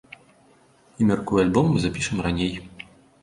І, мяркую, альбом мы запішам раней.